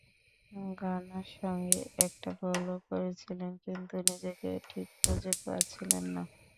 ঘানার সঙ্গে একটা গোলও করেছিলেন, কিন্তু নিজেকে ঠিক খুঁজে পাচ্ছিলেন না।